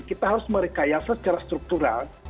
kita harus merekayasa secara struktural